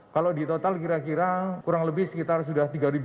kalau di total kira kira kurang lebih sekitar sudah tiga